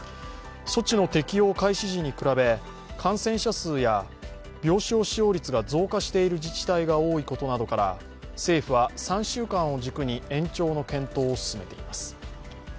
措置の適用開始時に比べ感染者数や病床使用率が増加している自治体が多いことなどから、政府は３週間を軸に延長の検討を進めています。